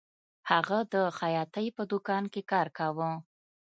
هغه د خیاطۍ په دکان کې کار کاوه